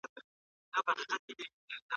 املا د لوستلو سرعت هم زیاتولی سي.